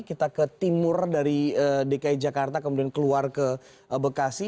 kita ke timur dari dki jakarta kemudian keluar ke bekasi